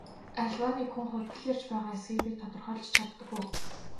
Аливаа нэг хүн худал ярьж байгаа эсэхийг би тодорхойлж чаддаг уу?